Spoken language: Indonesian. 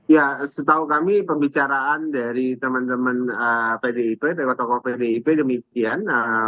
ya setahu kami pembicaraan dari teman teman pdip tokoh tokoh pdip demikian